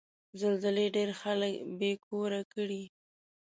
زلزلې ډېر خلک بې کوره کړي.